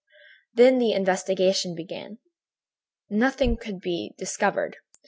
"Then the investigation began. Nothing could be discovered.